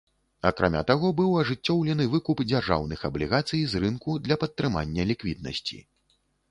Акрамя таго, быў ажыццёўлены выкуп дзяржаўных аблігацый з рынку для падтрымання ліквіднасці.